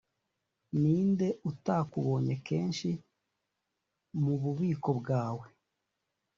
ni nde utakubonye kenshi mu bubiko bwawe?